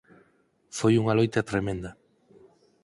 Foi unha loita tremenda.